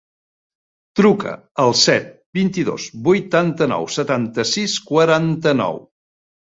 Truca al set, vint-i-dos, vuitanta-nou, setanta-sis, quaranta-nou.